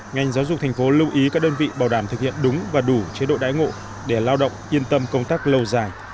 ngành giáo dục thành phố lưu ý các đơn vị bảo đảm thực hiện đúng và đủ chế độ đái ngộ để lao động yên tâm công tác lâu dài